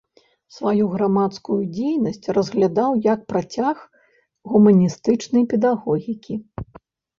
Сваю грамадскую дзейнасць разглядаў як працяг гуманістычнай педагогікі.